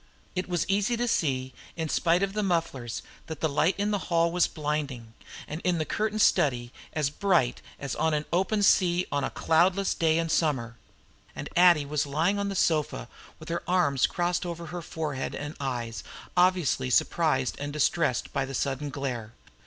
It was easy to see, in spite of the mufflers, that the light in the hall was blinding, and in the curtained study as bright as on an open sea on a cloudless day in summer. And Addie was lying on her sofa with her arms crossed over her forehead and eyes, obviously surprised and distressed by the sudden glare.